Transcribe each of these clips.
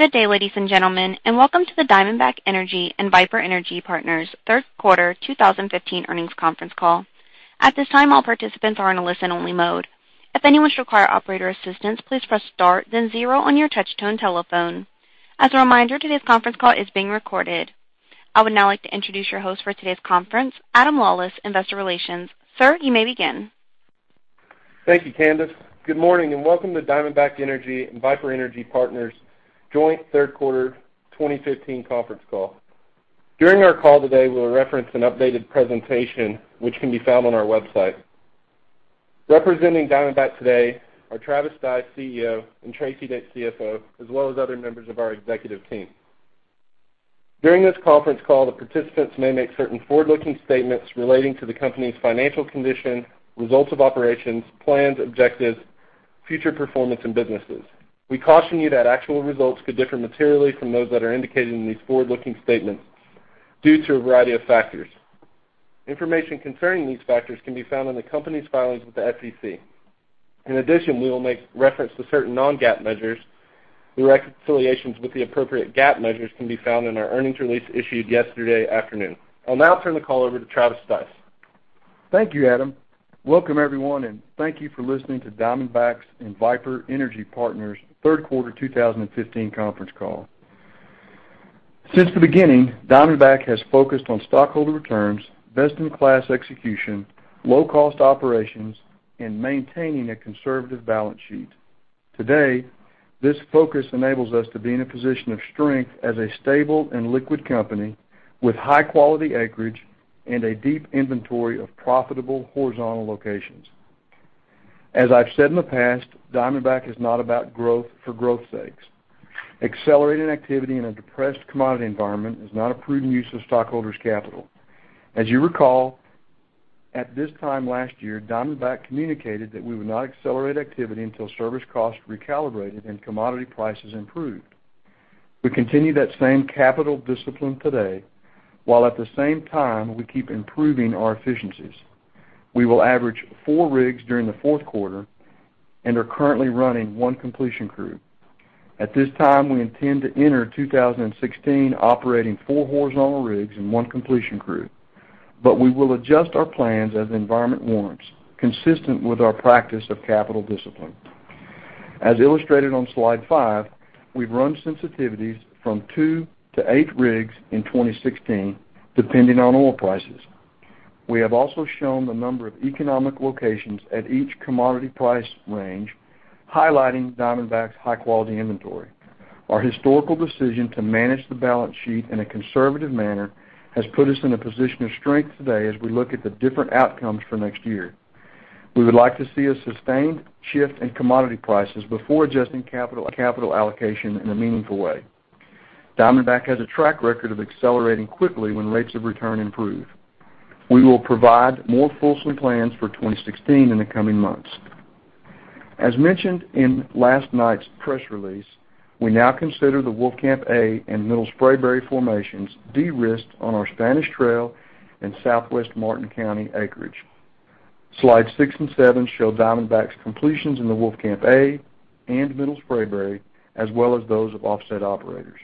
Good day, ladies and gentlemen, and welcome to the Diamondback Energy and Viper Energy Partners third quarter 2015 earnings conference call. At this time, all participants are in a listen-only mode. If anyone should require operator assistance, please press star then zero on your touch-tone telephone. As a reminder, today's conference call is being recorded. I would now like to introduce your host for today's conference, Adam Lawlis, investor relations. Sir, you may begin. Thank you, Candace. Good morning and welcome to Diamondback Energy and Viper Energy Partners joint third quarter 2015 conference call. During our call today, we'll reference an updated presentation which can be found on our website. Representing Diamondback today are Travis Stice, CEO, and Teresa L. Dick, CFO, as well as other members of our executive team. During this conference call, the participants may make certain forward-looking statements relating to the company's financial condition, results of operations, plans, objectives, future performance, and businesses. We caution you that actual results could differ materially from those that are indicated in these forward-looking statements due to a variety of factors. Information concerning these factors can be found in the company's filings with the SEC. In addition, we will make reference to certain non-GAAP measures. The reconciliations with the appropriate GAAP measures can be found in our earnings release issued yesterday afternoon. I'll now turn the call over to Travis Stice. Thank you, Adam. Welcome everyone, and thank you for listening to Diamondback's and Viper Energy Partners third quarter 2015 conference call. Since the beginning, Diamondback has focused on stockholder returns, best-in-class execution, low-cost operations, and maintaining a conservative balance sheet. Today, this focus enables us to be in a position of strength as a stable and liquid company with high-quality acreage and a deep inventory of profitable horizontal locations. As I've said in the past, Diamondback is not about growth for growth's sake. Accelerating activity in a depressed commodity environment is not a prudent use of stockholders' capital. As you recall, at this time last year, Diamondback communicated that we would not accelerate activity until service costs recalibrated and commodity prices improved. We continue that same capital discipline today, while at the same time, we keep improving our efficiencies. We will average four rigs during the fourth quarter and are currently running one completion crew. At this time, we intend to enter 2016 operating four horizontal rigs and one completion crew. We will adjust our plans as the environment warrants, consistent with our practice of capital discipline. As illustrated on slide five, we've run sensitivities from two to eight rigs in 2016, depending on oil prices. We have also shown the number of economic locations at each commodity price range, highlighting Diamondback's high-quality inventory. Our historical decision to manage the balance sheet in a conservative manner has put us in a position of strength today as we look at the different outcomes for next year. We would like to see a sustained shift in commodity prices before adjusting capital allocation in a meaningful way. Diamondback has a track record of accelerating quickly when rates of return improve. We will provide more full swing plans for 2016 in the coming months. As mentioned in last night's press release, we now consider the Wolfcamp A and Middle Spraberry formations de-risked on our Spanish Trail in southwest Martin County acreage. Slide six and seven show Diamondback's completions in the Wolfcamp A and Middle Spraberry, as well as those of offset operators.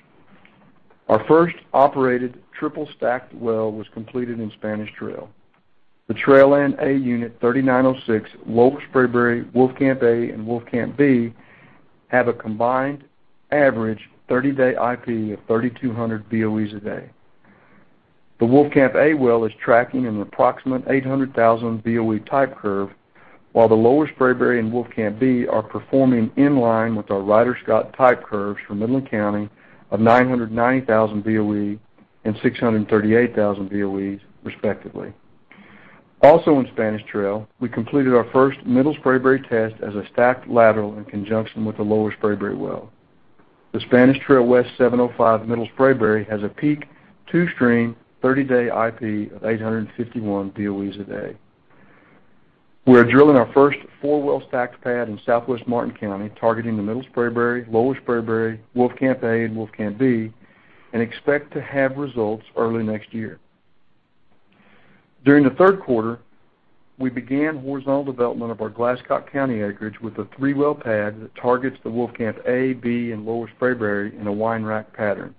Our first operated triple-stacked well was completed in Spanish Trail. The Trailand A unit 3906 Lower Spraberry, Wolfcamp A, and Wolfcamp B have a combined average 30-day IP of 3,200 BOEs a day. The Wolfcamp A well is tracking an approximate 800,000 BOE type curve, while the Lower Spraberry and Wolfcamp B are performing in line with our Ryder Scott type curves for Midland County of 990,000 BOE and 638,000 BOEs respectively. Also in Spanish Trail, we completed our first Middle Spraberry test as a stacked lateral in conjunction with the Lower Spraberry well. The Spanish Trail West 705 Middle Spraberry has a peak two-stream, 30-day IP of 851 BOEs a day. We're drilling our first four-well stacked pad in southwest Martin County, targeting the Middle Spraberry, Lower Spraberry, Wolfcamp A, and Wolfcamp B, and expect to have results early next year. During the third quarter, we began horizontal development of our Glasscock County acreage with a three-well pad that targets the Wolfcamp A, B, and Lower Spraberry in a wine rack pattern.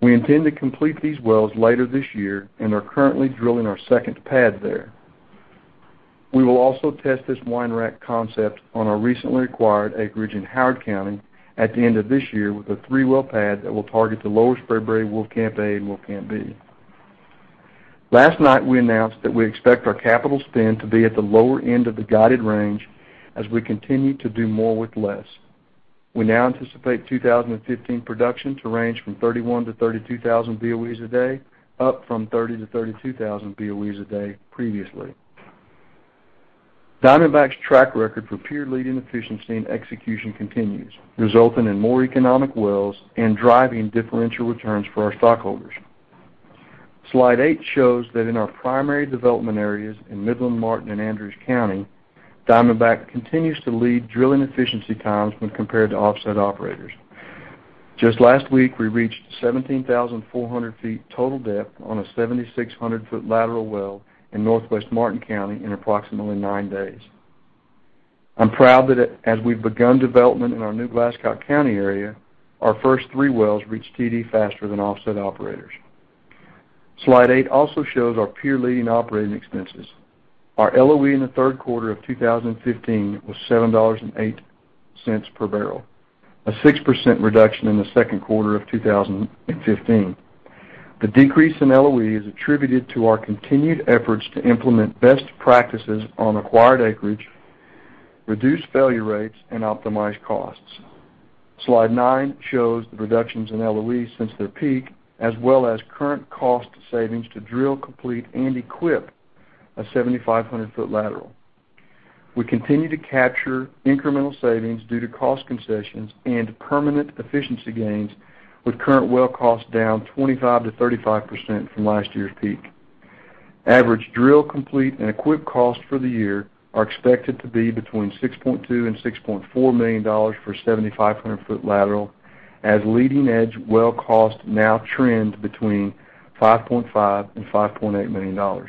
We intend to complete these wells later this year and are currently drilling our second pad there. We will also test this wine rack concept on our recently acquired acreage in Howard County at the end of this year with a three-well pad that will target the Lower Spraberry, Wolfcamp A, and Wolfcamp B. Last night, we announced that we expect our capital spend to be at the lower end of the guided range as we continue to do more with less. We now anticipate 2015 production to range from 31 to 32,000 BOEs a day, up from 30 to 32,000 BOEs a day previously. Diamondback's track record for peer-leading efficiency and execution continues, resulting in more economic wells and driving differential returns for our stockholders. Slide eight shows that in our primary development areas in Midland, Martin, and Andrews County, Diamondback continues to lead drilling efficiency times when compared to offset operators. Just last week, we reached 17,400 feet total depth on a 7,600-foot lateral well in northwest Martin County in approximately nine days. I'm proud that as we've begun development in our new Glasscock County area, our first three wells reached TD faster than offset operators. Slide eight also shows our peer-leading operating expenses. Our LOE in the third quarter of 2015 was $7.08 per barrel, a 6% reduction in the second quarter of 2015. The decrease in LOE is attributed to our continued efforts to implement best practices on acquired acreage, reduce failure rates, and optimize costs. Slide nine shows the reductions in LOE since their peak, as well as current cost savings to drill, complete, and equip a 7,500-foot lateral. We continue to capture incremental savings due to cost concessions and permanent efficiency gains with current well costs down 25%-35% from last year's peak. Average drill, complete, and equip costs for the year are expected to be between $6.2 million and $6.4 million for a 7,500-foot lateral, as leading-edge well costs now trend between $5.5 million and $5.8 million.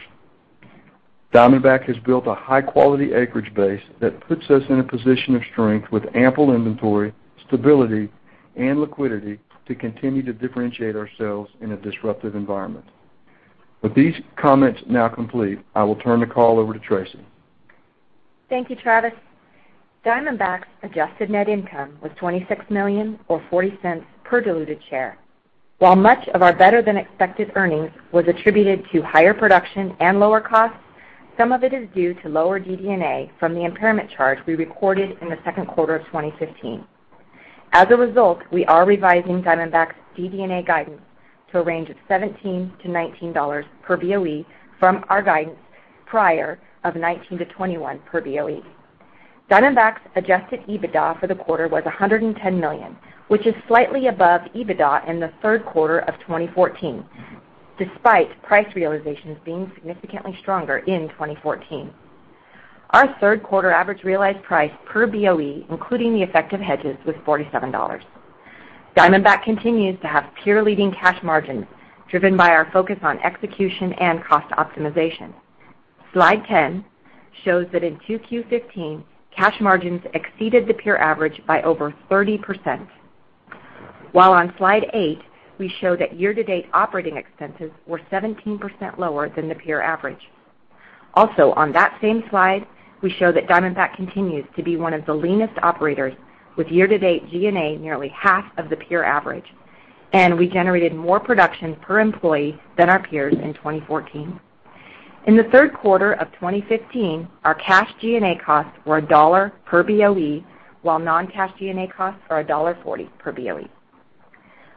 Diamondback has built a high-quality acreage base that puts us in a position of strength with ample inventory, stability, and liquidity to continue to differentiate ourselves in a disruptive environment. With these comments now complete, I will turn the call over to Tracy. Thank you, Travis. Diamondback's adjusted net income was $26 million or $0.40 per diluted share. While much of our better-than-expected earnings was attributed to higher production and lower costs, some of it is due to lower DD&A from the impairment charge we recorded in the second quarter of 2015. As a result, we are revising Diamondback's DD&A guidance to a range of $17-$19 per BOE from our guidance prior of $19-$21 per BOE. Diamondback's adjusted EBITDA for the quarter was $110 million, which is slightly above EBITDA in the third quarter of 2014, despite price realizations being significantly stronger in 2014. Our third quarter average realized price per BOE, including the effect of hedges, was $47. Diamondback continues to have peer-leading cash margins, driven by our focus on execution and cost optimization. Slide 10 shows that in 2Q15, cash margins exceeded the peer average by over 30%, while on Slide eight, we show that year-to-date operating expenses were 17% lower than the peer average. Also, on that same slide, we show that Diamondback continues to be one of the leanest operators, with year-to-date G&A nearly half of the peer average, and we generated more production per employee than our peers in 2014. In the third quarter of 2015, our cash G&A costs were $1 per BOE, while non-cash G&A costs are $1.40 per BOE.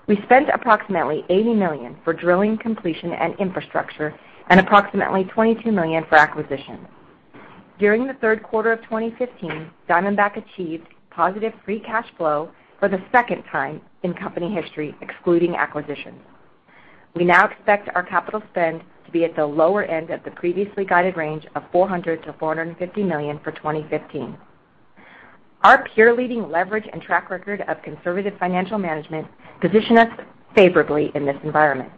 We spent approximately $80 million for drilling completion and infrastructure and approximately $22 million for acquisition. During the third quarter of 2015, Diamondback achieved positive free cash flow for the second time in company history, excluding acquisition. We now expect our capital spend to be at the lower end of the previously guided range of $400 million-$450 million for 2015. Our peer-leading leverage and track record of conservative financial management position us favorably in this environment.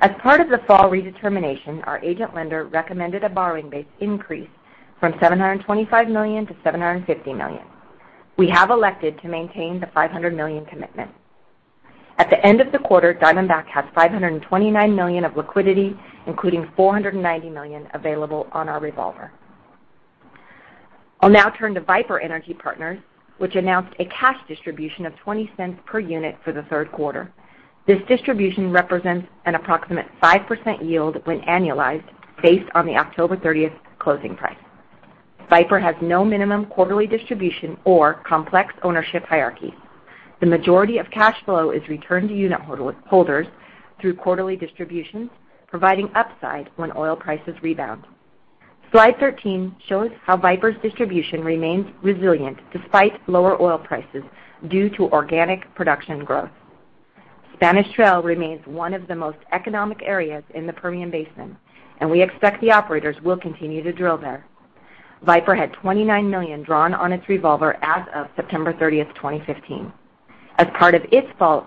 As part of the fall redetermination, our agent lender recommended a borrowing base increase from $725 million-$750 million. We have elected to maintain the $500 million commitment. At the end of the quarter, Diamondback had $529 million of liquidity, including $490 million available on our revolver. I'll now turn to Viper Energy Partners, which announced a cash distribution of $0.20 per unit for the third quarter. This distribution represents an approximate 5% yield when annualized, based on the October 30th closing price. Viper has no minimum quarterly distribution or complex ownership hierarchy. The majority of cash flow is returned to unit holders through quarterly distributions, providing upside when oil prices rebound. Slide 13 shows how Viper's distribution remains resilient despite lower oil prices due to organic production growth. Spanish Trail remains one of the most economic areas in the Permian Basin, and we expect the operators will continue to drill there. Viper had $29 million drawn on its revolver as of September 30th, 2015. As part of its fall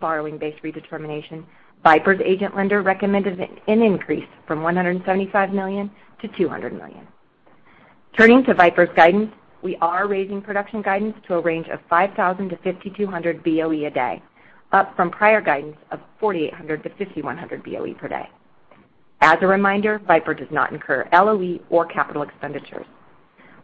borrowing base redetermination, Viper's agent lender recommended an increase from $175 million-$200 million. Turning to Viper's guidance, we are raising production guidance to a range of 5,000-5,200 BOE a day, up from prior guidance of 4,800-5,100 BOE per day. As a reminder, Viper does not incur LOE or capital expenditures.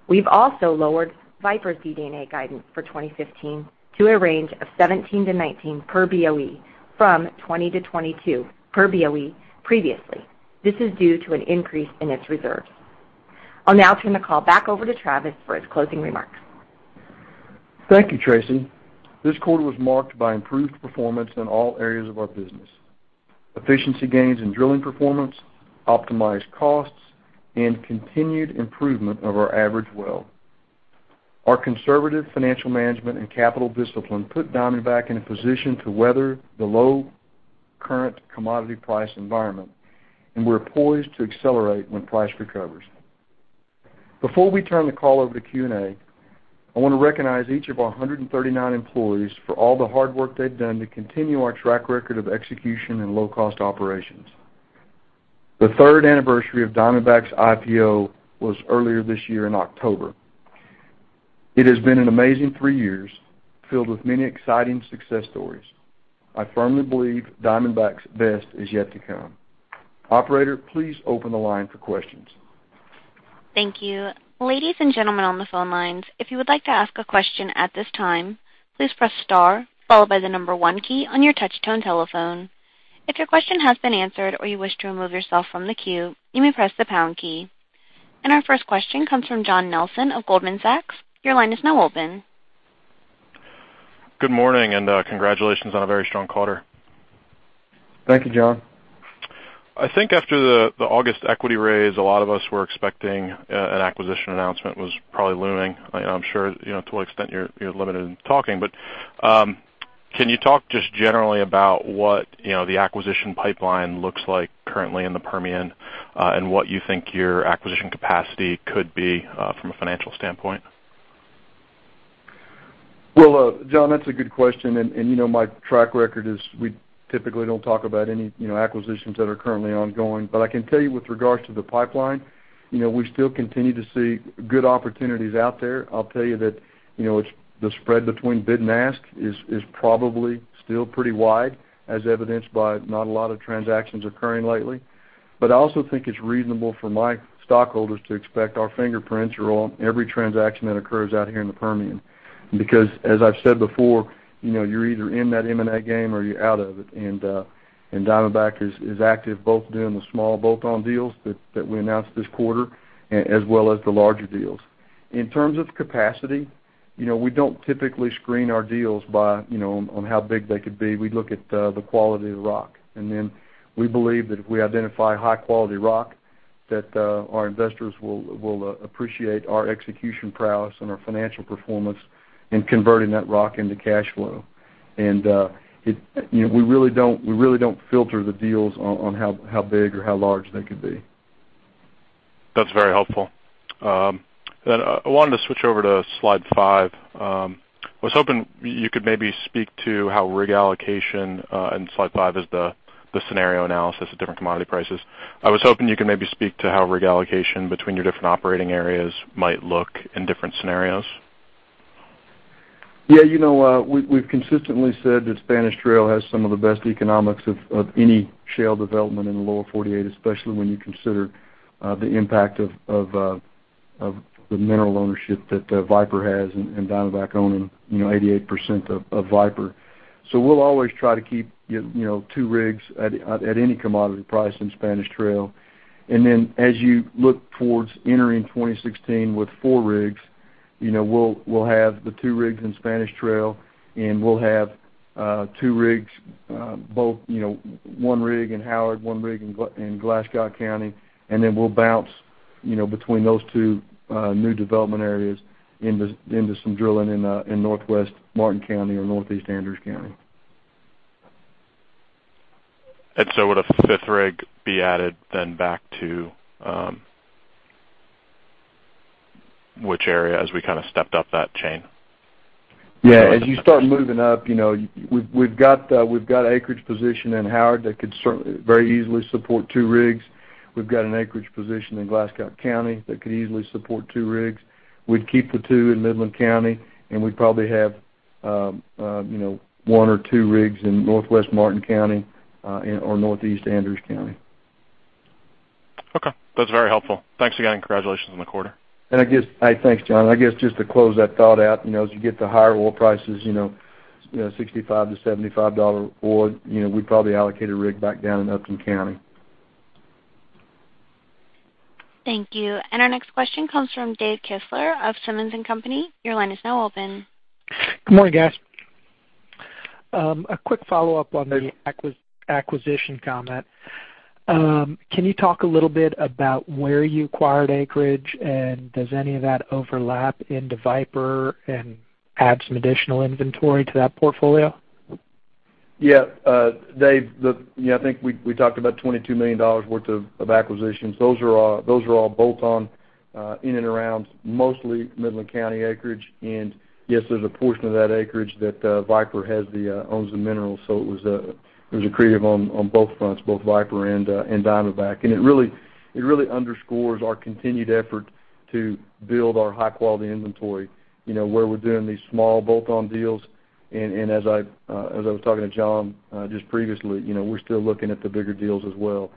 We've also lowered Viper's DD&A guidance for 2015 to a range of 17-19 per BOE from 20-22 per BOE previously. This is due to an increase in its reserves. I'll now turn the call back over to Travis for his closing remarks. Thank you, Tracy. This quarter was marked by improved performance in all areas of our business. Efficiency gains in drilling performance, optimized costs, and continued improvement of our average well. Our conservative financial management and capital discipline put Diamondback in a position to weather the low current commodity price environment, and we're poised to accelerate when price recovers. Before we turn the call over to Q&A, I want to recognize each of our 139 employees for all the hard work they've done to continue our track record of execution and low-cost operations. The third anniversary of Diamondback's IPO was earlier this year in October. It has been an amazing three years, filled with many exciting success stories. I firmly believe Diamondback's best is yet to come. Operator, please open the line for questions. Thank you. Ladies and gentlemen on the phone lines, if you would like to ask a question at this time, please press star, followed by the number one key on your touch-tone telephone. If your question has been answered or you wish to remove yourself from the queue, you may press the pound key. Our first question comes from John Nelson of Goldman Sachs. Your line is now open. Good morning. Congratulations on a very strong quarter. Thank you, John. I think after the August equity raise, a lot of us were expecting an acquisition announcement was probably looming. I'm sure to what extent you're limited in talking, can you talk just generally about what the acquisition pipeline looks like currently in the Permian, and what you think your acquisition capacity could be from a financial standpoint? Well, John, that's a good question, and you know my track record is we typically don't talk about any acquisitions that are currently ongoing. I can tell you with regards to the pipeline, we still continue to see good opportunities out there. I'll tell you that the spread between bid and ask is probably still pretty wide, as evidenced by not a lot of transactions occurring lately. I also think it's reasonable for my stockholders to expect our fingerprints are on every transaction that occurs out here in the Permian, because, as I've said before, you're either in that M&A game or you're out of it. Diamondback is active both doing the small bolt-on deals that we announced this quarter, as well as the larger deals. In terms of capacity, we don't typically screen our deals on how big they could be. We look at the quality of the rock. We believe that if we identify high-quality rock, that our investors will appreciate our execution prowess and our financial performance in converting that rock into cash flow. We really don't filter the deals on how big or how large they could be. That's very helpful. I wanted to switch over to slide five. I was hoping you could maybe speak to how rig allocation, and slide five is the scenario analysis at different commodity prices. I was hoping you could maybe speak to how rig allocation between your different operating areas might look in different scenarios. Yeah. We've consistently said that Spanish Trail has some of the best economics of any shale development in the Lower 48, especially when you consider the impact of the mineral ownership that Viper has, Diamondback owning 88% of Viper. We'll always try to keep two rigs at any commodity price in Spanish Trail. As you look towards entering 2016 with four rigs, we'll have the two rigs in Spanish Trail, and we'll have two rigs, both one rig in Howard, one rig in Glasscock County, we'll bounce between those two new development areas into some drilling in Northwest Martin County or Northeast Andrews County. Would a fifth rig be added then back to which area as we stepped up that chain? Yeah. As you start moving up, we've got acreage position in Howard that could very easily support two rigs. We've got an acreage position in Glasscock County that could easily support two rigs. We'd keep the two in Midland County, and we'd probably have one or two rigs in Northwest Martin County or Northeast Andrews County. Okay. That's very helpful. Thanks again, and congratulations on the quarter. Thanks, John. I guess just to close that thought out, as you get to higher oil prices, $65-$75 oil, we'd probably allocate a rig back down in Upton County. Thank you. Our next question comes from Dave Kistler of Simmons & Company. Your line is now open. Good morning, guys. A quick follow-up on the acquisition comment. Can you talk a little bit about where you acquired acreage, and does any of that overlap into Viper and add some additional inventory to that portfolio? Yeah. Dave, I think we talked about $22 million worth of acquisitions. Those are all bolt-on in and around mostly Midland County acreage. Yes, there's a portion of that acreage that Viper owns the minerals, so it was accretive on both fronts, both Viper and Diamondback. It really underscores our continued effort to build our high-quality inventory, where we're doing these small bolt-on deals, and as I was talking to John just previously, we're still looking at the bigger deals as well.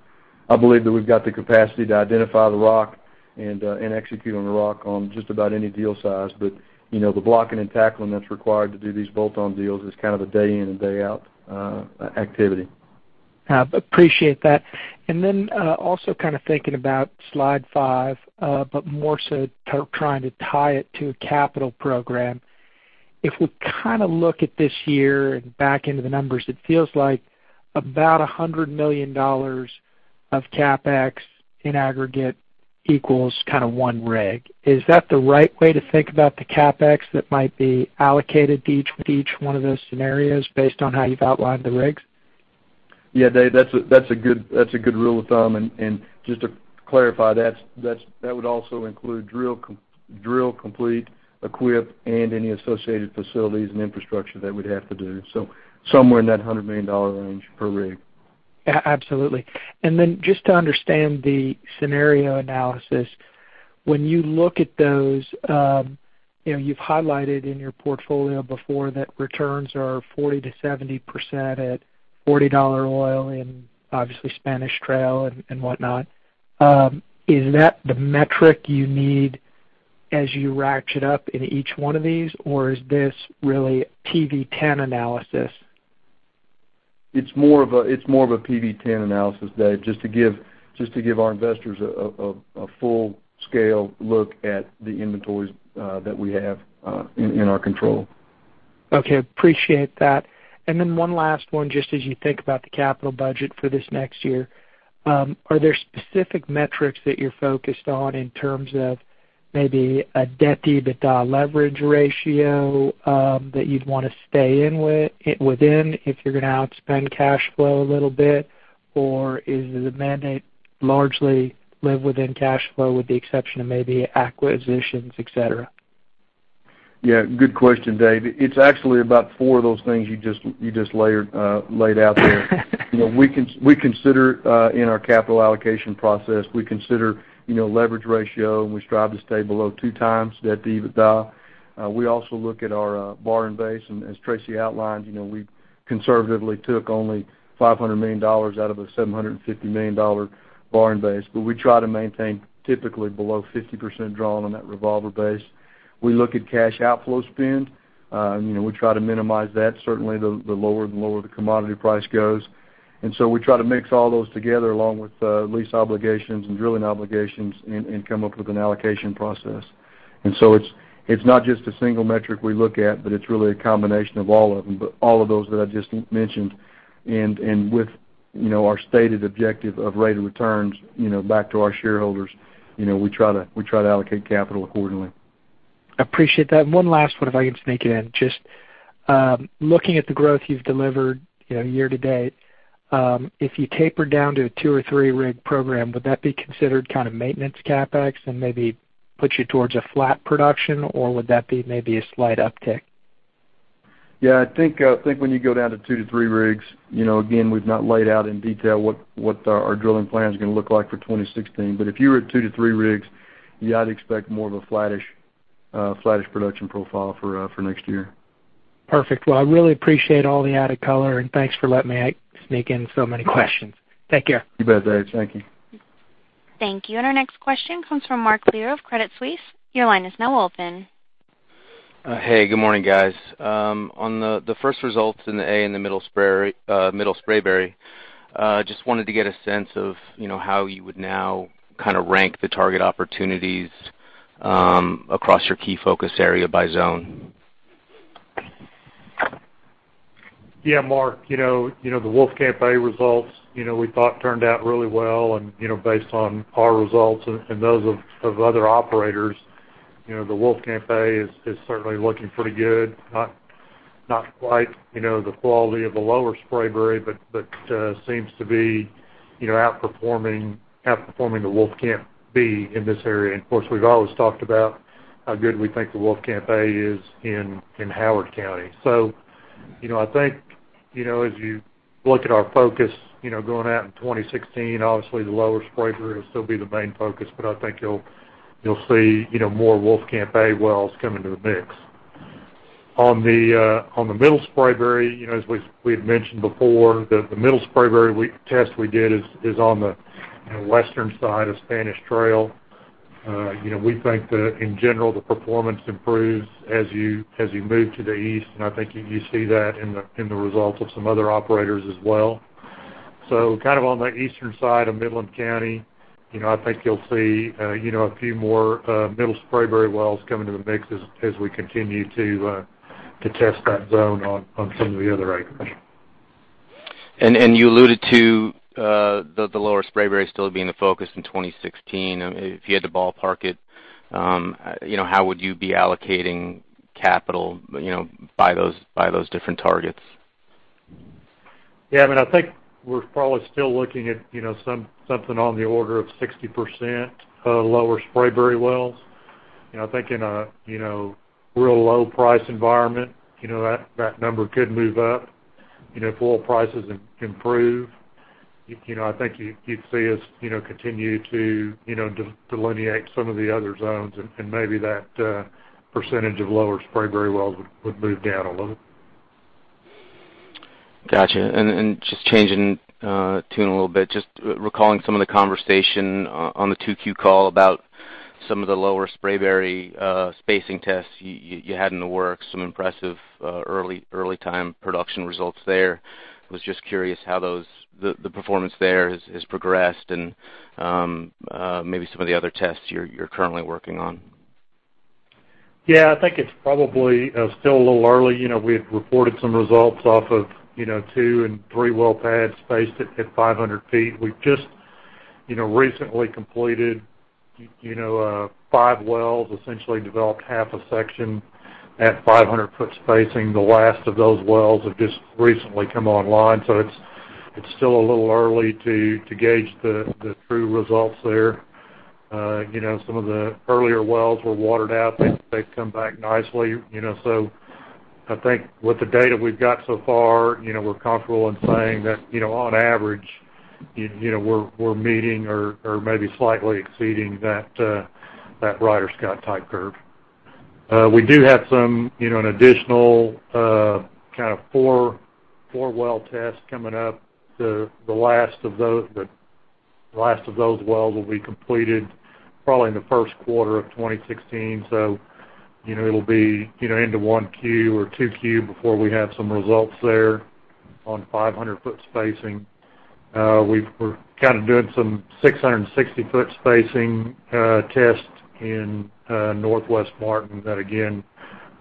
I believe that we've got the capacity to identify the rock and execute on the rock on just about any deal size. The blocking and tackling that's required to do these bolt-on deals is a day in and day out activity. Appreciate that. Also thinking about slide five, but more so trying to tie it to a capital program. If we look at this year and back into the numbers, it feels like about $100 million of CapEx in aggregate equals one rig. Is that the right way to think about the CapEx that might be allocated to each one of those scenarios based on how you've outlined the rigs? Yeah, David, that's a good rule of thumb. Just to clarify, that would also include drill com- Drill complete, equip, and any associated facilities and infrastructure that we'd have to do. Somewhere in that $100 million range per rig. Absolutely. Just to understand the scenario analysis, when you look at those, you've highlighted in your portfolio before that returns are 40%-70% at $40 oil in, obviously, Spanish Trail and whatnot. Is that the metric you need as you ratchet up in each one of these? Or is this really PV-10 analysis? It's more of a PV-10 analysis, David, just to give our investors a full-scale look at the inventories that we have in our control. Okay. Appreciate that. One last one, just as you think about the capital budget for this next year. Are there specific metrics that you're focused on in terms of maybe a debt-to-EBITDA leverage ratio, that you'd want to stay within if you're going to outspend cash flow a little bit? Or is the mandate largely live within cash flow with the exception of maybe acquisitions, et cetera? Yeah, good question, Dave. It's actually about four of those things you just laid out there. We consider, in our capital allocation process, we consider leverage ratio, and we strive to stay below 2 times debt to EBITDA. We also look at our borrowing base. As Tracy outlined, we conservatively took only $500 million out of a $750 million borrowing base. We try to maintain typically below 50% drawn on that revolver base. We look at cash outflow spend. We try to minimize that, certainly the lower the commodity price goes. We try to mix all those together, along with lease obligations and drilling obligations, and come up with an allocation process. It's not just a single metric we look at, but it's really a combination of all of them, all of those that I just mentioned and with our stated objective of rate of returns back to our shareholders. We try to allocate capital accordingly. Appreciate that. One last one, if I can sneak it in. Just looking at the growth you've delivered year to date, if you taper down to a two or three-rig program, would that be considered kind of maintenance CapEx and maybe put you towards a flat production, or would that be maybe a slight uptick? Yeah, I think when you go down to two to three rigs, again, we've not laid out in detail what our drilling plan's going to look like for 2016. If you were at two to three rigs, yeah, I'd expect more of a flattish production profile for next year. Perfect. Well, I really appreciate all the added color, thanks for letting me sneak in so many questions. Thank you. You bet, Dave. Thank you. Thank you. Our next question comes from Mark Leo of Credit Suisse. Your line is now open. Hey, good morning, guys. On the first results in the Wolfcamp A in the Middle Spraberry, just wanted to get a sense of how you would now rank the target opportunities across your key focus area by zone. Yeah, Mark. The Wolfcamp A results, we thought turned out really well and based on our results and those of other operators, the Wolfcamp A is certainly looking pretty good. Not quite the quality of the Lower Spraberry, but seems to be outperforming the Wolfcamp B in this area. Of course, we've always talked about how good we think the Wolfcamp A is in Howard County. I think as you look at our focus going out in 2016, obviously the Lower Spraberry will still be the main focus, but I think you'll see more Wolfcamp A wells come into the mix. On the Middle Spraberry, as we had mentioned before, the Middle Spraberry test we did is on the western side of Spanish Trail. We think that in general, the performance improves as you move to the east, and I think you see that in the results of some other operators as well. On the eastern side of Midland County, I think you'll see a few more Middle Spraberry wells come into the mix as we continue to test that zone on some of the other acreage. You alluded to the Lower Spraberry still being the focus in 2016. If you had to ballpark it, how would you be allocating capital by those different targets? Yeah, I think we're probably still looking at something on the order of 60% Lower Spraberry wells. I think in a real low price environment, that number could move up. If oil prices improve, I think you'd see us continue to delineate some of the other zones and maybe that percentage of Lower Spraberry wells would move down a little. Got you. Just changing tune a little bit, just recalling some of the conversation on the 2Q call about some of the Lower Spraberry spacing tests you had in the works, some impressive early time production results there. I was just curious how the performance there has progressed and maybe some of the other tests you're currently working on. Yeah, I think it's probably still a little early. We had reported some results off of two and three well pads spaced at 500 feet. We've just recently completed five wells, essentially developed half a section at 500-foot spacing. The last of those wells have just recently come online, so It's still a little early to gauge the true results there. Some of the earlier wells were watered out. They've come back nicely. I think with the data we've got so far, we're comfortable in saying that, on average, we're meeting or maybe slightly exceeding that Ryder Scott type curve. We do have an additional four well tests coming up. The last of those wells will be completed probably in the first quarter of 2016. It'll be into 1Q or 2Q before we have some results there on 500-foot spacing. We're kind of doing some 660-foot spacing tests in Northwest Martin. That, again,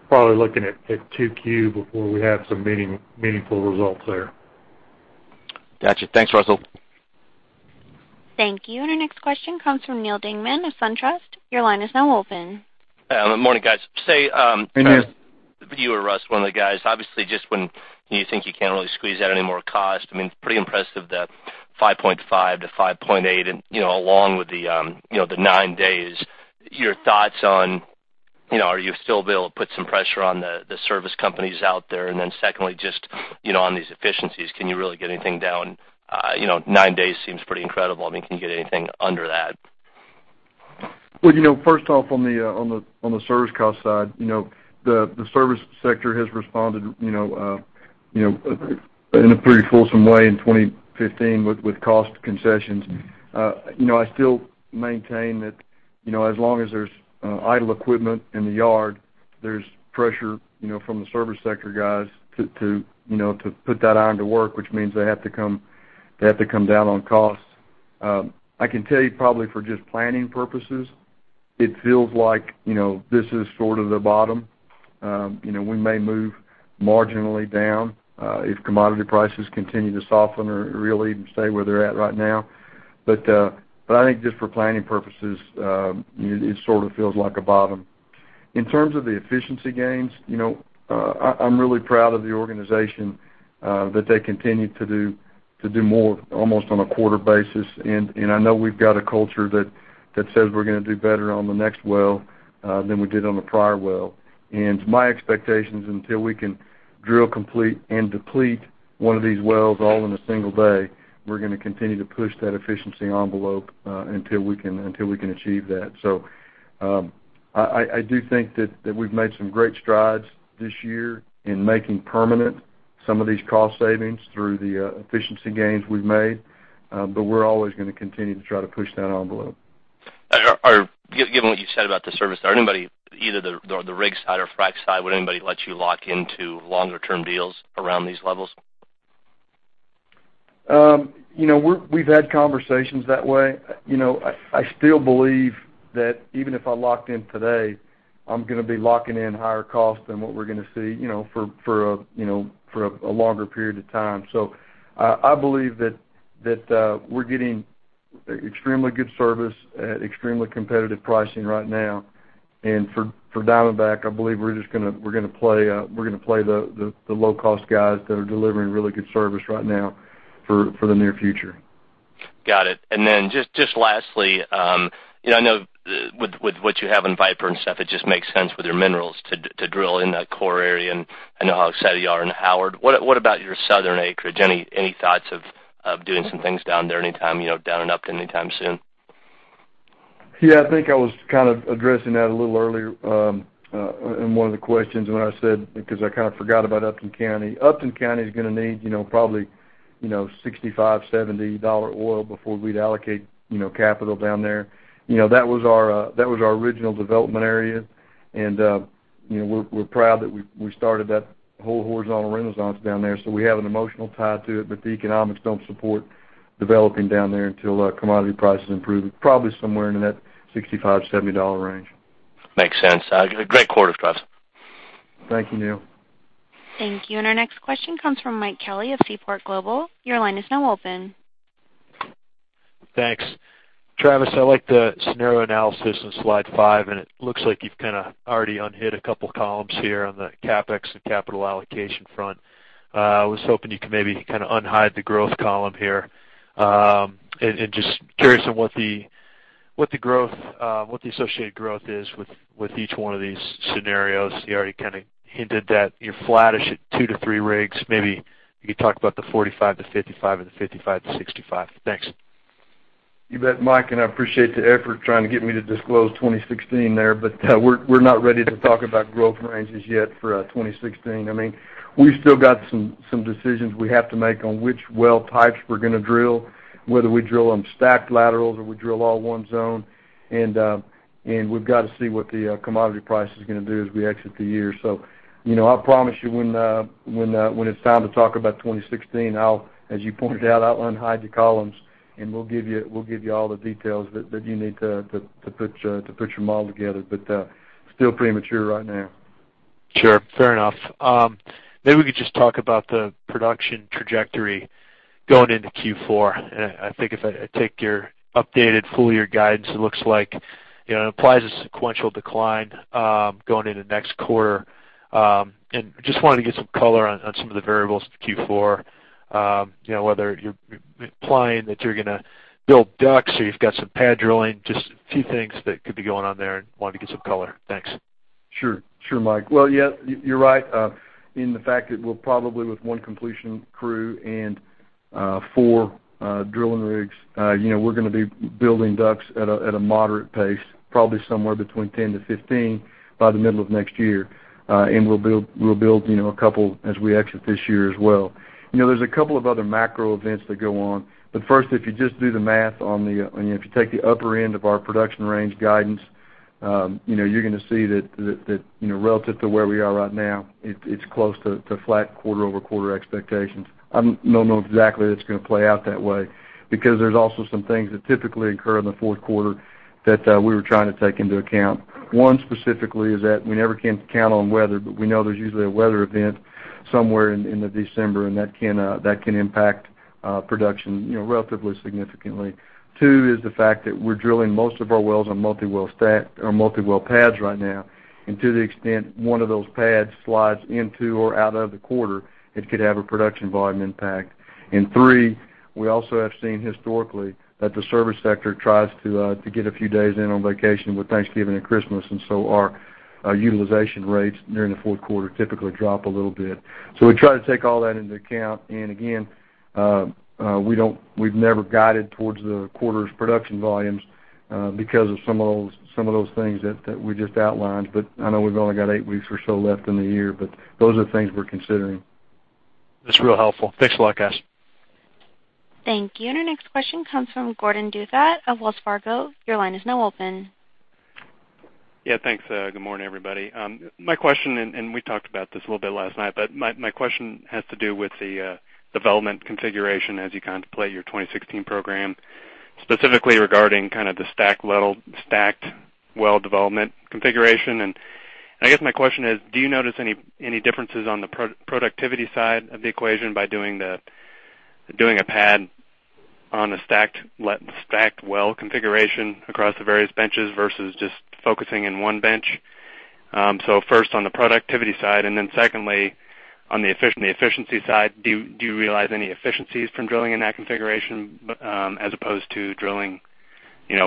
probably looking at 2Q before we have some meaningful results there. Got you. Thanks, Russell. Thank you. Our next question comes from Neal Dingmann of SunTrust. Your line is now open. Morning, guys. Morning. You or Russ, one of the guys, obviously, just when you think you can't really squeeze out any more cost, it's pretty impressive that 5.5-5.8 and along with the nine days, your thoughts on, are you still able to put some pressure on the service companies out there? Then secondly, just on these efficiencies, can you really get anything down? Nine days seems pretty incredible. Can you get anything under that? Well, first off, on the service cost side, the service sector has responded in a pretty fulsome way in 2015 with cost concessions. I still maintain that as long as there's idle equipment in the yard, there's pressure from the service sector guys to put that iron to work, which means they have to come down on costs. I can tell you probably for just planning purposes, it feels like this is sort of the bottom. We may move marginally down if commodity prices continue to soften or really even stay where they're at right now. I think just for planning purposes, it sort of feels like a bottom. In terms of the efficiency gains, I'm really proud of the organization that they continue to do more almost on a quarter basis. I know we've got a culture that says we're going to do better on the next well than we did on the prior well. My expectation is until we can drill complete and deplete one of these wells all in a single day, we're going to continue to push that efficiency envelope until we can achieve that. I do think that we've made some great strides this year in making permanent some of these cost savings through the efficiency gains we've made. We're always going to continue to try to push that envelope. Given what you said about the service side, anybody, either the rig side or frack side, would anybody let you lock into longer term deals around these levels? We've had conversations that way. I still believe that even if I locked in today, I'm going to be locking in higher costs than what we're going to see for a longer period of time. I believe that we're getting extremely good service at extremely competitive pricing right now. For Diamondback, I believe we're going to play the low cost guys that are delivering really good service right now for the near future. Got it. Just lastly, I know with what you have in Viper and stuff, it just makes sense with your minerals to drill in that core area, and I know how excited you are in Howard. What about your southern acreage? Any thoughts of doing some things down there anytime, down in Upton anytime soon? I think I was kind of addressing that a little earlier in one of the questions when I said, because I kind of forgot about Upton County. Upton County is going to need probably $65, $70 oil before we'd allocate capital down there. That was our original development area, and we're proud that we started that whole horizontal renaissance down there. We have an emotional tie to it, but the economics don't support developing down there until commodity prices improve, probably somewhere into that $65, $70 range. Makes sense. Great quarter, Travis. Thank you, Neal. Thank you. Our next question comes from Mike Kelly of Seaport Global. Your line is now open. Thanks. Travis, I like the scenario analysis on slide five. It looks like you've kind of already unhid a couple columns here on the CapEx and capital allocation front. I was hoping you could maybe unhide the growth column here. Just curious on what the associated growth is with each one of these scenarios. You already kind of hinted that you're flattish at 2-3 rigs. Maybe you could talk about the 45-55 and the 55-65. Thanks. You bet, Mike. I appreciate the effort trying to get me to disclose 2016 there, but we're not ready to talk about growth ranges yet for 2016. We still got some decisions we have to make on which well types we're going to drill, whether we drill them stacked laterals, or we drill all one zone. We've got to see what the commodity price is going to do as we exit the year. I promise you when it's time to talk about 2016, as you pointed out, I'll unhide the columns, and we'll give you all the details that you need to put your model together. Still premature right now. Sure. Fair enough. Maybe we could just talk about the production trajectory going into Q4. I think if I take your updated full year guidance, it looks like it applies a sequential decline going into next quarter. Just wanted to get some color on some of the variables for Q4, whether you're implying that you're going to build ducks or you've got some pad drilling, just a few things that could be going on there, and wanted to get some color. Thanks. Sure, Mike. Well, yeah, you're right in the fact that we're probably with one completion crew and four drilling rigs. We're going to be building DUCs at a moderate pace, probably somewhere between 10 to 15 by the middle of next year. We'll build a couple as we exit this year as well. There's a couple of other macro events that go on. First, if you just do the math, if you take the upper end of our production range guidance, you're going to see that relative to where we are right now, it's close to flat quarter-over-quarter expectations. I don't know exactly that it's going to play out that way, because there's also some things that typically occur in the fourth quarter that we were trying to take into account. One specifically is that we never can count on weather, but we know there's usually a weather event somewhere in December, and that can impact production relatively significantly. Two is the fact that we're drilling most of our wells on multi-well pads right now. To the extent one of those pads slides into or out of the quarter, it could have a production volume impact. Three, we also have seen historically that the service sector tries to get a few days in on vacation with Thanksgiving and Christmas, and so our utilization rates during the fourth quarter typically drop a little bit. We try to take all that into account. Again, we've never guided towards the quarter's production volumes because of some of those things that we just outlined. I know we've only got eight weeks or so left in the year, but those are things we're considering. That's real helpful. Thanks a lot, guys. Thank you. Our next question comes from Gordon Duvall of Wells Fargo. Your line is now open. Yeah, thanks. Good morning, everybody. My question, and we talked about this a little bit last night, but my question has to do with the development configuration as you contemplate your 2016 program, specifically regarding the stacked well development configuration. I guess my question is, do you notice any differences on the productivity side of the equation by doing a pad on a stacked well configuration across the various benches versus just focusing in one bench? First on the productivity side, and then secondly, on the efficiency side, do you realize any efficiencies from drilling in that configuration as opposed to drilling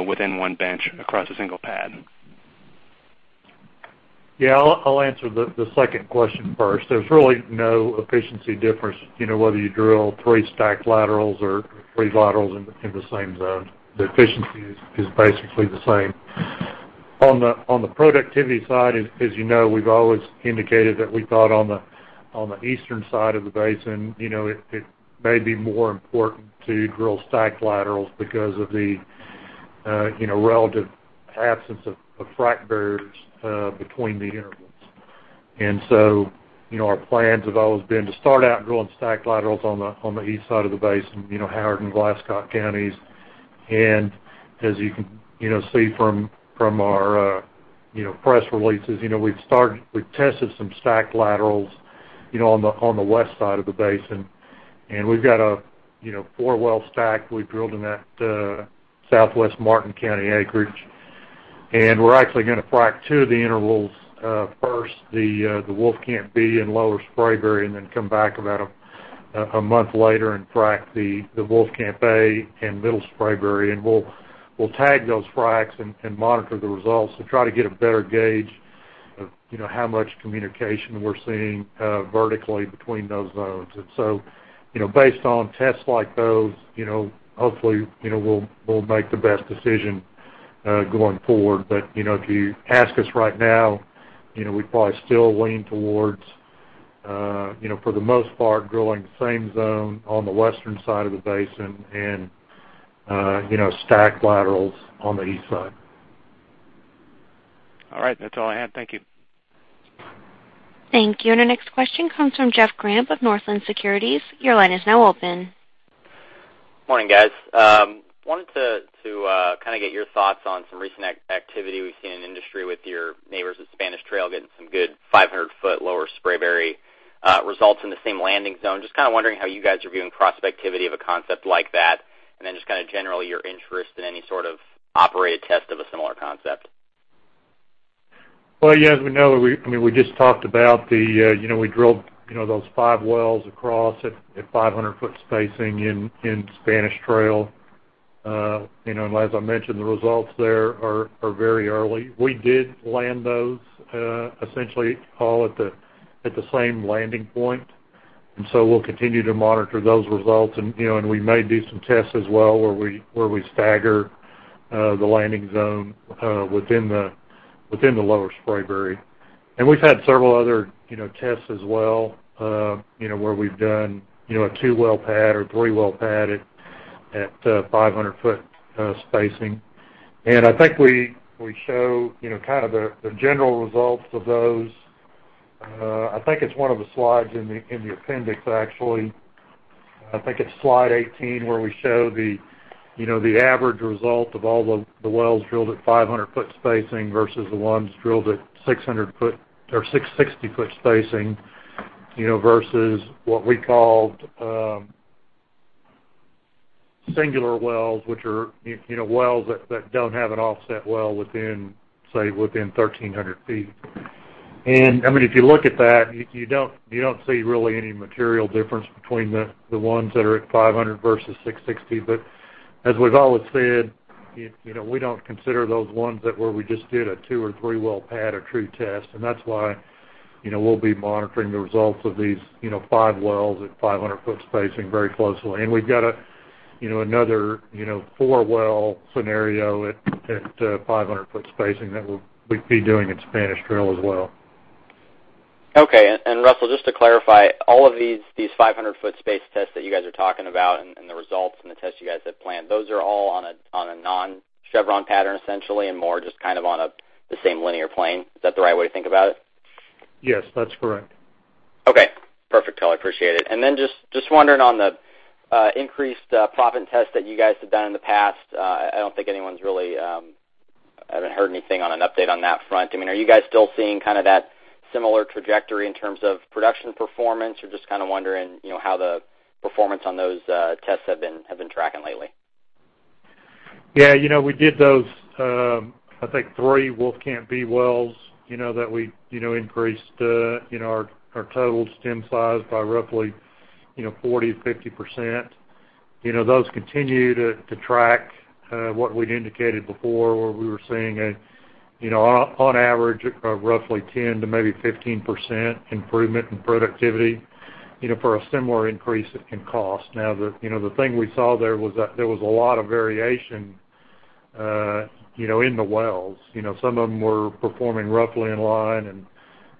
within one bench across a single pad? Yeah, I will answer the second question first. There is really no efficiency difference whether you drill three stacked laterals or three laterals in the same zone. The efficiency is basically the same. On the productivity side, as you know, we have always indicated that we thought on the eastern side of the basin, it may be more important to drill stacked laterals because of the relative absence of frack barriers between the intervals. Our plans have always been to start out drilling stacked laterals on the east side of the basin, Howard and Glasscock counties. As you can see from our press releases, we have tested some stacked laterals on the west side of the basin, and we have got a four-well stack we drilled in that Southwest Martin County acreage, and we are actually going to frack two of the intervals first, the Wolfcamp B and Lower Spraberry, and then come back about a month later and frack the Wolfcamp A and Middle Spraberry. We will tag those fracks and monitor the results to try to get a better gauge of how much communication we are seeing vertically between those zones. Based on tests like those, hopefully, we will make the best decision going forward. If you ask us right now, we would probably still lean towards for the most part, drilling the same zone on the western side of the basin and stacked laterals on the east side. All right. That's all I had. Thank you. Thank you. Our next question comes from Jeff Grampp of Northland Securities. Your line is now open. Morning, guys. Wanted to get your thoughts on some recent activity we've seen in the industry with your neighbors at Spanish Trail getting some good 500-foot Lower Spraberry results in the same landing zone, just wondering how you guys are viewing prospectivity of a concept like that, and then just generally your interest in any sort of operated test of a similar concept? Well, as we know, we just talked about we drilled those five wells across at 500-foot spacing in Spanish Trail. As I mentioned, the results there are very early. We did land those essentially all at the same landing point, so we'll continue to monitor those results. We may do some tests as well where we stagger the landing zone within the Lower Spraberry. We've had several other tests as well, where we've done a two-well pad or three-well pad at 500-foot spacing. I think we show the general results of those. I think it's one of the slides in the appendix, actually, I think it's slide 18 where we show the average result of all the wells drilled at 500-foot spacing versus the ones drilled at 600-foot or 660-foot spacing, versus what we called singular wells, which are wells that don't have an offset well within, say, 1,300 feet. If you look at that, you don't see really any material difference between the ones that are at 500 versus 660. As we've always said, we don't consider those ones that where we just did a two or three-well pad a true test, and that's why we'll be monitoring the results of these five wells at 500-foot spacing very closely. We've got another four-well scenario at 500-foot spacing that we'll be doing in Spanish Trail as well. Okay. Russell, just to clarify, all of these 500-foot space tests that you guys are talking about and the results and the tests you guys have planned, those are all on a non-chevron pattern, essentially, and more just on the same linear plane. Is that the right way to think about it? Yes, that's correct. Okay, perfect. Well, I appreciate it. Then just wondering on the increased proppant test that you guys have done in the past, I haven't heard anything on an update on that front. Are you guys still seeing that similar trajectory in terms of production performance or just kind of wondering how the performance on those tests have been tracking lately? We did those, I think, three Wolfcamp B wells, that we increased our total stem size by roughly 40%-50%. Those continue to track what we'd indicated before, where we were seeing, on average, roughly 10%-15% improvement in productivity for a similar increase it can cost. The thing we saw there was that there was a lot of variation in the wells. Some of them were performing roughly in line,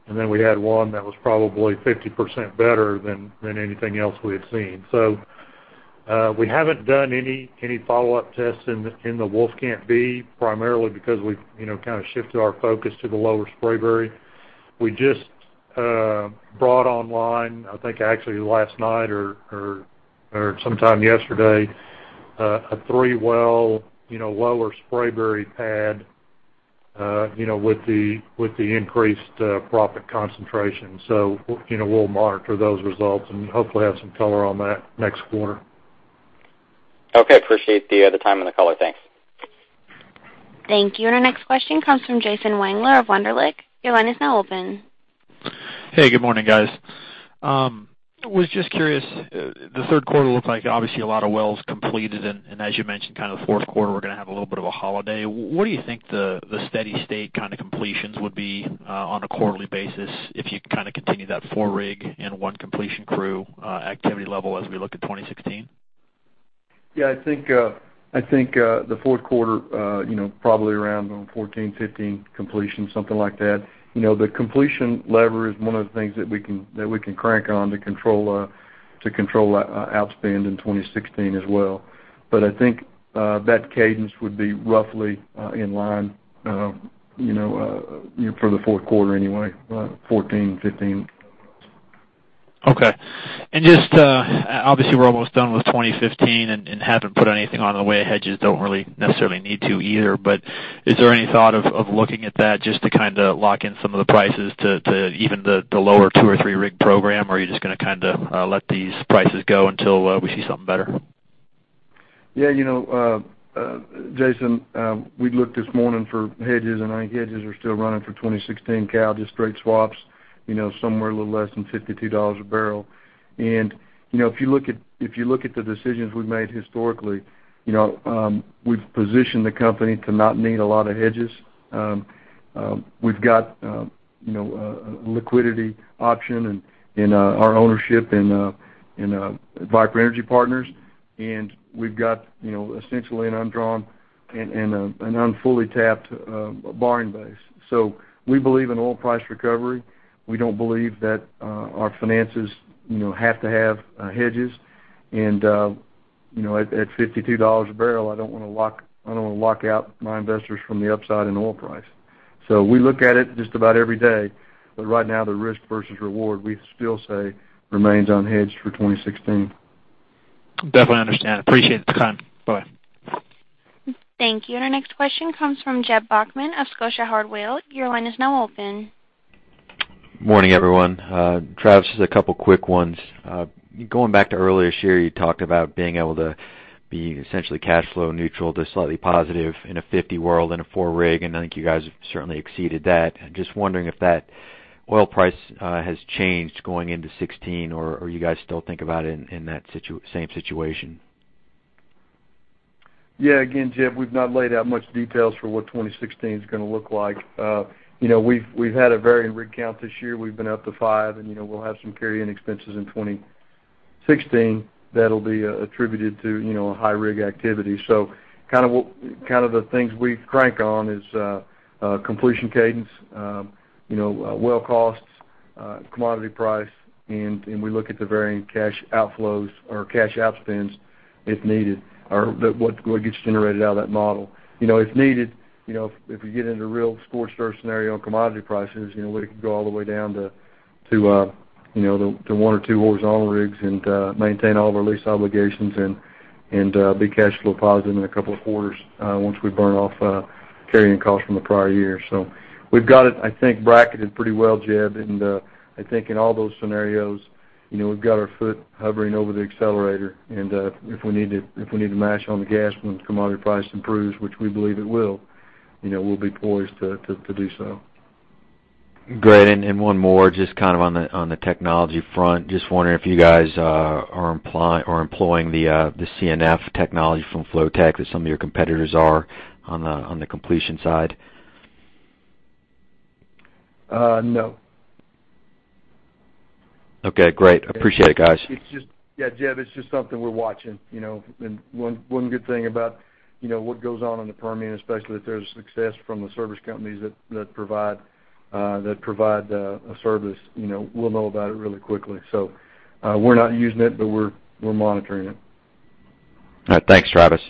and then we had one that was probably 50% better than anything else we had seen. We haven't done any follow-up tests in the Wolfcamp B, primarily because we've shifted our focus to the Lower Spraberry. We just brought online, I think, actually last night or sometime yesterday, a three-well, Lower Spraberry pad with the increased proppant concentration. We'll monitor those results and hopefully have some color on that next quarter. Appreciate the time and the color. Thanks. Thank you. Our next question comes from Jason Wangler of Wunderlich. Your line is now open. Hey, good morning, guys. Was just curious, the third quarter looked like obviously a lot of wells completed, and as you mentioned, the fourth quarter we're going to have a little bit of a holiday. What do you think the steady state completions would be on a quarterly basis if you continue that four rig and one completion crew activity level as we look at 2016? Yeah, I think the fourth quarter probably around 14, 15 completions, something like that. The completion lever is one of the things that we can crank on to control outspend in 2016 as well. I think that cadence would be roughly in line for the fourth quarter anyway, 14, 15. Okay. Just, obviously we're almost done with 2015 and haven't put anything on the way of hedges, don't really necessarily need to either, but is there any thought of looking at that just to lock in some of the prices to even the lower two or three rig program? Are you just going to let these prices go until we see something better? Jason, we looked this morning for hedges. Our hedges are still running for 2016, Cal, just straight swaps, somewhere a little less than $52 a barrel. If you look at the decisions we've made historically, we've positioned the company to not need a lot of hedges. We've got a liquidity option in our ownership in Viper Energy Partners, and we've got essentially an undrawn and an unfully tapped borrowing base. We believe in oil price recovery. We don't believe that our finances have to have hedges. At $52 a barrel, I don't want to lock out my investors from the upside in oil price. We look at it just about every day, but right now the risk versus reward, we still say remains unhedged for 2016. Definitely understand. Appreciate the time. Bye-bye. Thank you. Our next question comes from Jeb Bachmann of Scotia Howard Weil. Your line is now open. Morning, everyone. Travis, just a couple of quick ones. Going back to earlier this year, you talked about being able to be essentially cash flow neutral to slightly positive in a $50 world in a a four-rig, I think you guys have certainly exceeded that. I'm just wondering if that oil price has changed going into 2016, you guys still think about it in that same situation? Yeah. Again, Jeb, we've not laid out much details for what 2016 is going to look like. We've had a varying rig count this year. We've been up to five, we'll have some carry-in expenses in 2016 that'll be attributed to high rig activity. The things we crank on is completion cadence, well costs, commodity price, we look at the varying cash outflows or cash outspends if needed, or what gets generated out of that model. If needed, if we get into real scorched earth scenario on commodity prices, we could go all the way down to one or two horizontal rigs and maintain all of our lease obligations and be cash flow positive in a couple of quarters once we burn off carrying costs from the prior year. We've got it, I think bracketed pretty well, Jeb, I think in all those scenarios, we've got our foot hovering over the accelerator, if we need to mash on the gas when commodity price improves, which we believe it will, we'll be poised to do so. Great. One more just on the technology front. Just wondering if you guys are employing the CnF technology from Flotek that some of your competitors are on the completion side? No. Okay, great. Appreciate it, guys. Yeah, Jeb, it's just something we're watching. One good thing about what goes on in the Permian especially, if there's success from the service companies that provide a service, we'll know about it really quickly. We're not using it, but we're monitoring it. All right. Thanks, Travis.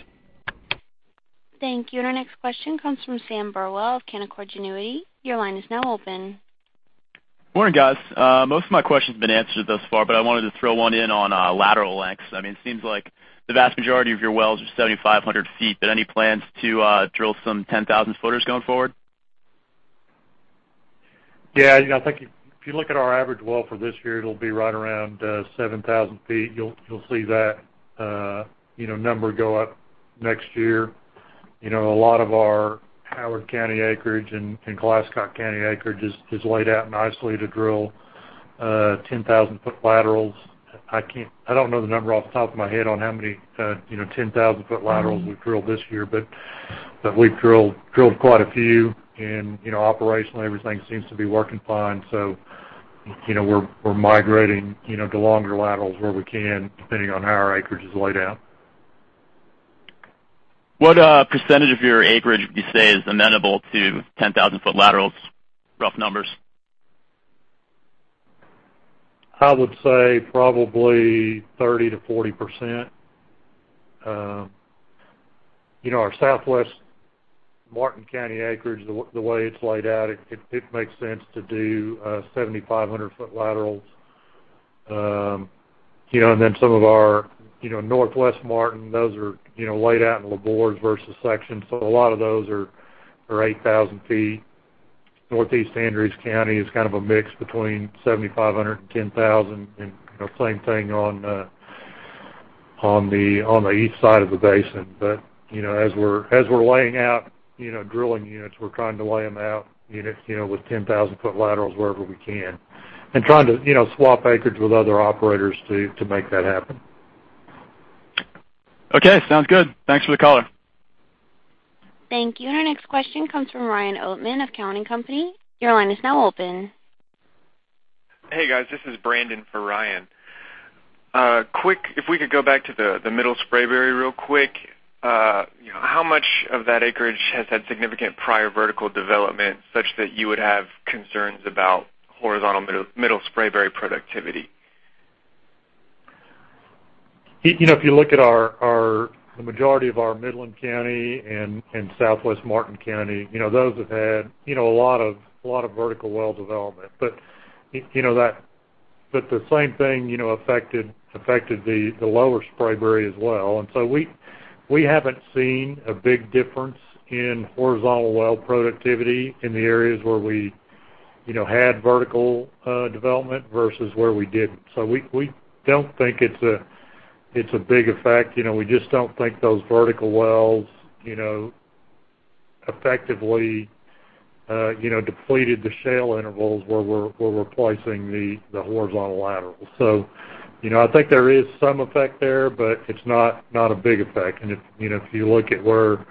Thank you. Our next question comes from Sam Burwell of Canaccord Genuity. Your line is now open. Morning, guys. Most of my question's been answered thus far, but I wanted to throw one in on lateral lengths. It seems like the vast majority of your wells are 7,500 feet, but any plans to drill some 10,000 footers going forward? Yeah. I think if you look at our average well for this year, it'll be right around 7,000 feet. You'll see that number go up next year. A lot of our Howard County acreage and Glasscock County acreage is laid out nicely to drill 10,000-foot laterals. I don't know the number off the top of my head on how many 10,000-foot laterals we've drilled this year, but we've drilled quite a few, and operationally, everything seems to be working fine. We're migrating to longer laterals where we can, depending on how our acreage is laid out. What percentage of your acreage would you say is amenable to 10,000-foot laterals? Rough numbers. I would say probably 30%-40%. Our Southwest Martin County acreage, the way it's laid out, it makes sense to do 7,500-foot laterals. Some of our Northwest Martin, those are laid out in labors versus sections, a lot of those are 8,000 feet. Northeast Andrews County is a mix between 7,500 and 10,000, same thing on the east side of the basin. As we're laying out drilling units, we're trying to lay them out with 10,000-foot laterals wherever we can, trying to swap acreage with other operators to make that happen. Okay, sounds good. Thanks for the color. Thank you. Our next question comes from Ryan Oatman of Cowen and Company. Your line is now open. Hey, guys, this is Brandon for Ryan. If we could go back to the Middle Spraberry real quick, how much of that acreage has had significant prior vertical development such that you would have concerns about horizontal Middle Spraberry productivity? If you look at the majority of our Midland County and Southwest Martin County, those have had a lot of vertical well development. The same thing affected the Lower Spraberry as well. We haven't seen a big difference in horizontal well productivity in the areas where we had vertical development versus where we didn't. We don't think it's a big effect. We just don't think those vertical wells effectively depleted the shale intervals where we're replacing the horizontal laterals. I think there is some effect there, but it's not a big effect, and if you look at where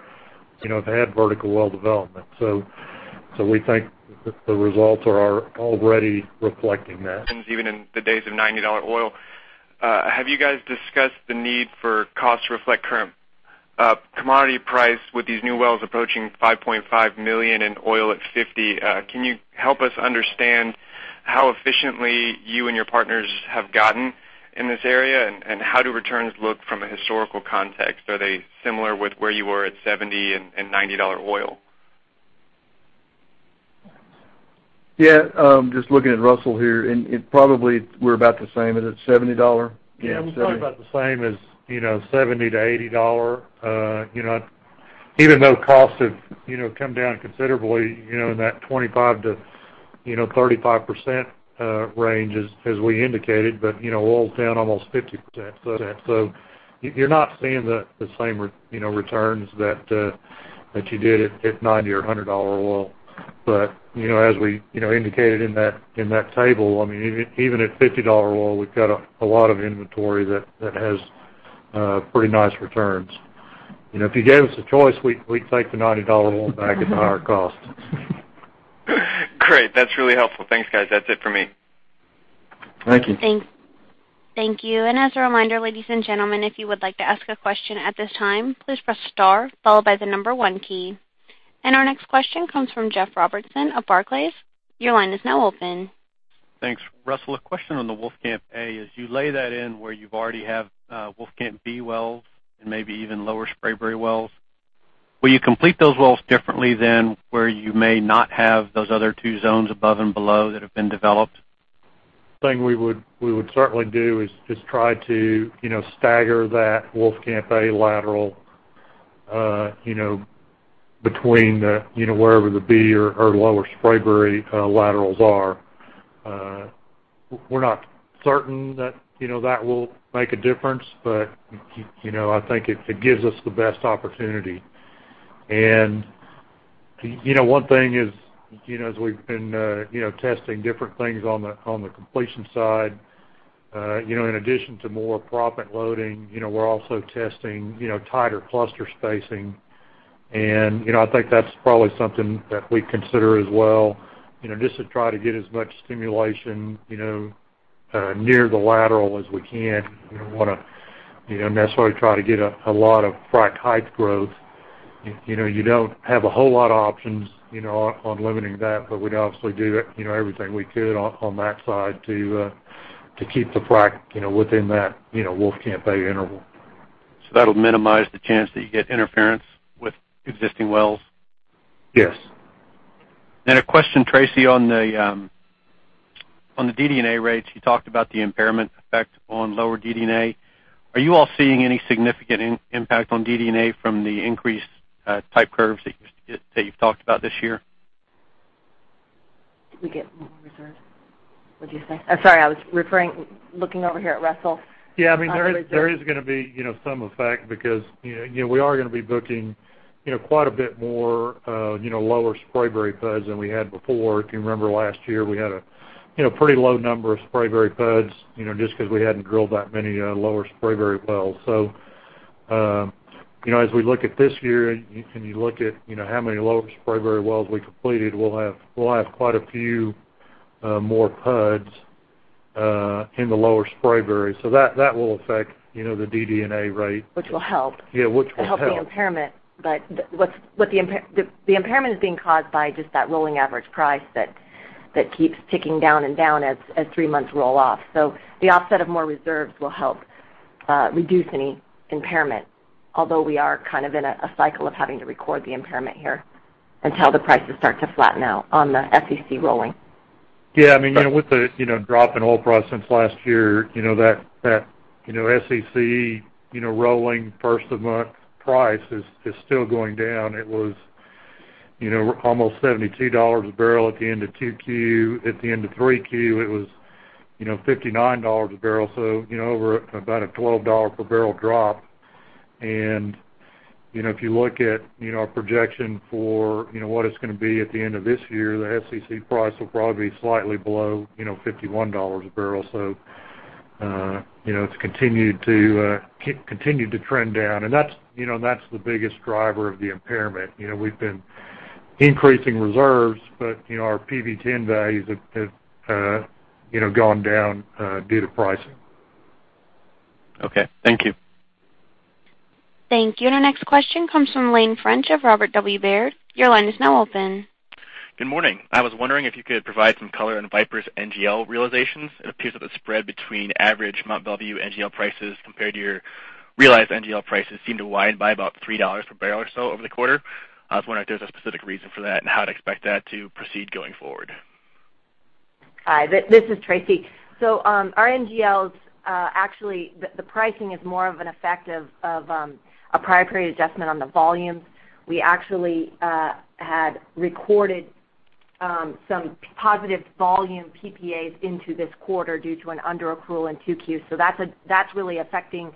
they had vertical well development. We think that the results are already reflecting that. Even in the days of $90 oil. Have you guys discussed the need for costs to reflect current commodity price with these new wells approaching $5.5 million and oil at $50? Can you help us understand how efficiently you and your partners have gotten in this area, and how do returns look from a historical context? Are they similar with where you were at $70 and $90 oil? Yeah. Just looking at Russell here. Probably we're about the same. Is it $70? Yeah. Yeah, $70. We're probably about the same as $70-$80. Even though costs have come down considerably, in that 25%-35% range as we indicated, oil's down almost 50%. You're not seeing the same returns that you did at $90 or $100 oil. As we indicated in that table, even at $50 oil, we've got a lot of inventory that has pretty nice returns. If you gave us a choice, we'd take the $90 oil back at the higher cost. Great. That's really helpful. Thanks, guys. That's it for me. Thank you. Thank you. As a reminder, ladies and gentlemen, if you would like to ask a question at this time, please press star followed by the number 1 key. Our next question comes from Jeff Robertson of Barclays. Your line is now open. Thanks. Russell, a question on the Wolfcamp A, as you lay that in where you already have Wolfcamp B wells and maybe even Lower Spraberry wells, will you complete those wells differently than where you may not have those other 2 zones above and below that have been developed? The thing we would certainly do is just try to stagger that Wolfcamp A lateral between wherever the B or Lower Spraberry laterals are. We're not certain that will make a difference, but I think it gives us the best opportunity. 1 thing is, as we've been testing different things on the completion side, in addition to more proppant loading, we're also testing tighter cluster spacing. I think that's probably something that we'd consider as well, just to try to get as much stimulation near the lateral as we can. We don't want to necessarily try to get a lot of frac height growth. You don't have a whole lot of options on limiting that, but we'd obviously do everything we could on that side to keep the frac within that Wolfcamp A interval. That'll minimize the chance that you get interference with existing wells? Yes. A question, Tracy, on the DD&A rates. You talked about the impairment effect on lower DD&A. Are you all seeing any significant impact on DD&A from the increased type curves that you've talked about this year? Did we get more reserved? What'd you say? I'm sorry, I was referring, looking over here at Russell. Yeah. There is going to be some effect because we are going to be booking quite a bit more Lower Spraberry PUDs than we had before. If you remember last year, we had a pretty low number of Spraberry PUDs, just because we hadn't drilled that many Lower Spraberry wells. As we look at this year and you look at how many Lower Spraberry wells we completed, we'll have quite a few more PUDs in the Lower Spraberry. That will affect the DD&A rate. Which will help. Yeah, which will help. To help the impairment. The impairment is being caused by just that rolling average price that keeps ticking down and down as 3 months roll off. The offset of more reserves will help reduce any impairment, although we are in a cycle of having to record the impairment here until the prices start to flatten out on the SEC rolling. Yeah. With the drop in oil price since last year, that SEC rolling first-of-the-month price is still going down. It was almost $72 a barrel at the end of 2Q. At the end of 3Q, it was $59 a barrel. Over about a $12 per barrel drop. If you look at our projection for what it's going to be at the end of this year, the SEC price will probably be slightly below $51 a barrel. It's continued to trend down, and that's the biggest driver of the impairment. We've been increasing reserves, but our PV-10 values have gone down due to pricing. Okay. Thank you. Thank you. Our next question comes from Ethan Bellamy of Robert W. Baird. Your line is now open. Good morning. I was wondering if you could provide some color on Viper's NGL realizations. It appears that the spread between average Mont Belvieu NGL prices compared to your realized NGL prices seem to widen by about $3 per barrel or so over the quarter. I was wondering if there's a specific reason for that and how to expect that to proceed going forward. Hi, this is Tracy. Our NGLs, actually, the pricing is more of an effect of a prior period adjustment on the volumes. We actually had recorded some positive volume PPAs into this quarter due to an under-accrual in 2Q. That's really affecting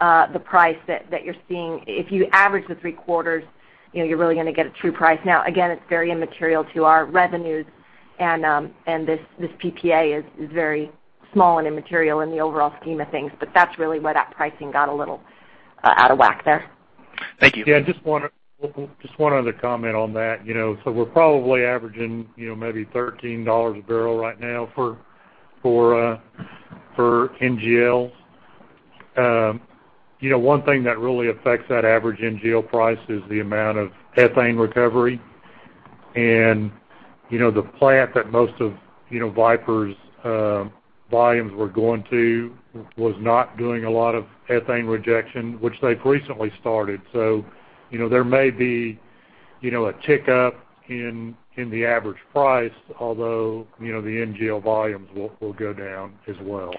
the price that you're seeing. If you average the three quarters, you're really going to get a true price. Again, it's very immaterial to our revenues and this PPA is very small and immaterial in the overall scheme of things, but that's really why that pricing got a little out of whack there. Thank you. Yeah, just one other comment on that. We're probably averaging maybe $13 a barrel right now for NGL. One thing that really affects that average NGL price is the amount of ethane recovery. The plant that most of Viper's volumes were going to was not doing a lot of ethane rejection, which they've recently started. There may be a tick up in the average price, although the NGL volumes will go down as well.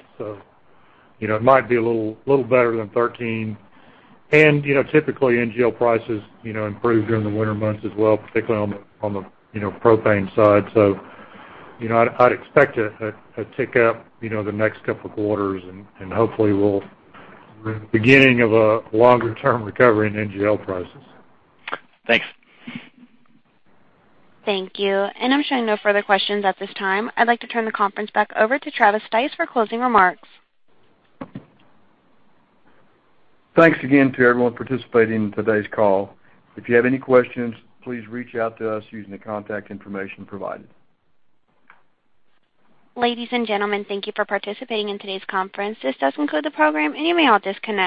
It might be a little better than 13. Typically, NGL prices improve during the winter months as well, particularly on the propane side. I'd expect a tick up the next couple of quarters, and hopefully we're in the beginning of a longer-term recovery in NGL prices. Thanks. Thank you. I'm showing no further questions at this time. I'd like to turn the conference back over to Travis Stice for closing remarks. Thanks again to everyone participating in today's call. If you have any questions, please reach out to us using the contact information provided. Ladies and gentlemen, thank you for participating in today's conference. This does conclude the program. You may all disconnect.